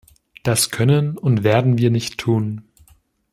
Das können und werden wir nicht tun.